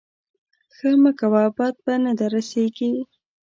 ښه مه کوه بد به نه در رسېږي.